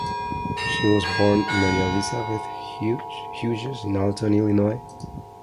She was born Mary Elizabeth Hughes in Alton, Illinois.